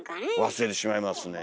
忘れてしまいますねえ。